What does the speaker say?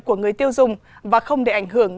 của người tiêu dùng và không để ảnh hưởng